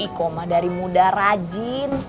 ikoma dari muda rajin